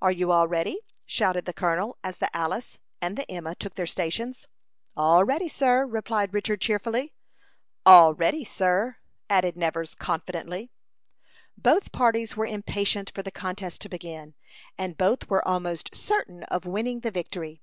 "Are you all ready?" shouted the colonel, as the Alice and the Emma took their stations. "All ready, sir," replied Richard, cheerfully. "All ready, sir," added Nevers, confidently. Both parties were impatient for the contest to begin, and both were almost certain of winning the victory.